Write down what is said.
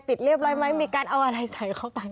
เรียบร้อยไหมมีการเอาอะไรใส่เข้าไป